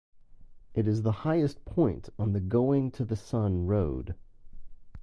It is the highest point on the Going-to-the-Sun Road.